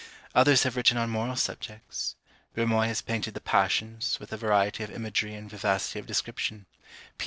Others have written on moral subjects. Brumoy has painted the Passions, with a variety of imagery and vivacity of description; P.